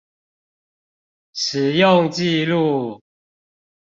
使用紀錄